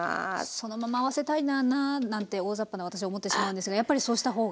「そのまま合わせたいなあ」なんて大ざっぱな私は思ってしまうんですがやっぱりそうした方が。